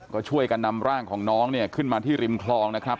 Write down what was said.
ก็ช่วยกันนำร่างของน้องเนี่ยขึ้นมาที่ริมคลองนะครับ